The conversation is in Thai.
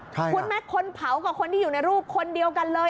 คุณไหมคนเผากับคนที่อยู่ในรูปคนเดียวกันเลย